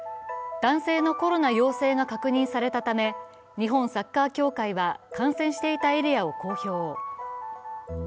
男性のコロナ陽性が確認されたため日本サッカー協会は観戦していたエリアを公表。